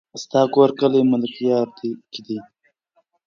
ستا کور کلي ملكيارو کې دی؟